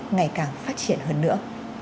ngày càng phát triển hơn nữa